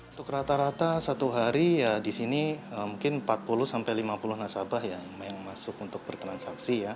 untuk rata rata satu hari ya di sini mungkin empat puluh sampai lima puluh nasabah yang masuk untuk bertransaksi ya